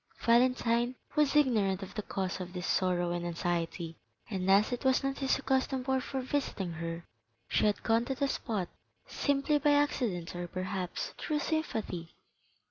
Valentine was ignorant of the cause of this sorrow and anxiety, and as it was not his accustomed hour for visiting her, she had gone to the spot simply by accident or perhaps through sympathy.